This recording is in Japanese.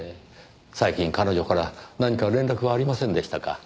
最近彼女から何か連絡はありませんでしたか？